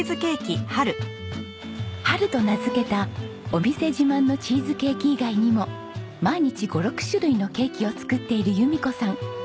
「ＨＡＲＵ」と名付けたお店自慢のチーズケーキ以外にも毎日５６種類のケーキを作っている弓子さん。